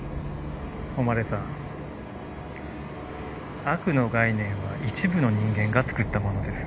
誉さん悪の概念は一部の人間がつくったものです。